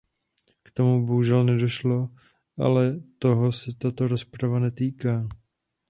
K tomu bohužel nedošlo, ale toho se tato rozprava netýká.